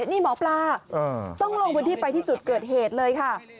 นี่หมอปลาต้องลงพื้นที่ไปที่จุดเกิดเหตุเลยค่ะ